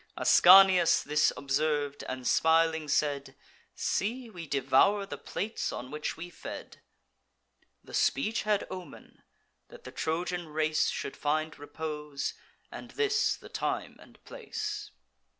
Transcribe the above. Ascanius this observ'd, and smiling said: "See, we devour the plates on which we fed." The speech had omen, that the Trojan race Should find repose, and this the time and place.